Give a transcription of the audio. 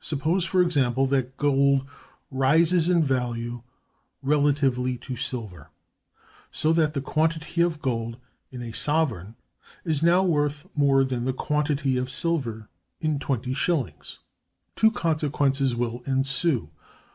Suppose, for example, that gold rises in value relatively to silver, so that the quantity of gold in a sovereign is now worth more than the quantity of silver in twenty shillings. Two consequences will ensue.